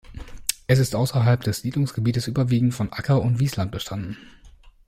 Es ist außerhalb des Siedlungsgebietes überwiegend von Acker- und Wiesland bestanden.